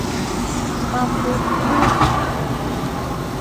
Na mgbe gboo